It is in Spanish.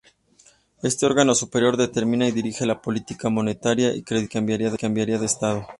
Este órgano superior determina y dirige la política monetaria, crediticia y cambiaría del Estado.